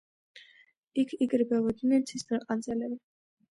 აქ იკრიბებოდნენ „ცისფერყანწელები“.